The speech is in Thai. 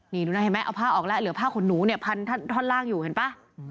นี่ดูนะเห็นไหมเอาผ้าออกแล้วเหลือผ้าขนหนูเนี่ยพันท่อนล่างอยู่เห็นป่ะ